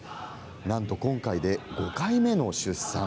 なんと今回で５回目の出産。